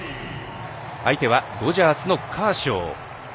相手はドジャースのカーショー。